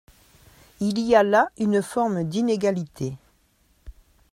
Il y a là une forme d’inégalité.